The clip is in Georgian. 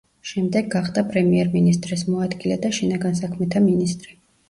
შემდეგ გახდა პრემიერ-მინისტრის მოადგილე და შინაგან საქმეთა მინისტრი.